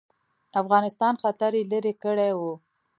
افغانستان خطر یې لیري کړی وو.